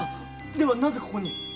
ではなぜここに？